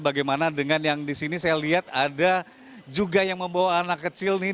bagaimana dengan yang di sini saya lihat ada juga yang membawa anak kecil nih